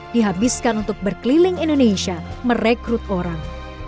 dihabiskan untuk berkeliling indonesia merekrut orang